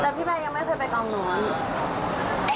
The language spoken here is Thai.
แต่พี่แบร์ยังไม่เคยไปกองหนูค่ะ